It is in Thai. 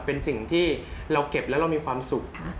เป็นสิ่งที่เราเก็บแล้วเรามีความสุข